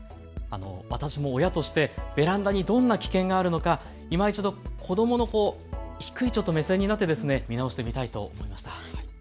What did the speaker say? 私も親としてベランダにどんな危険があるのかいま一度、子どもの低い目線になって見直してみたいと思います。